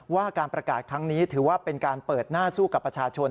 ว่าการประกาศครั้งนี้ถือว่าเป็นการเปิดหน้าสู้กับประชาชน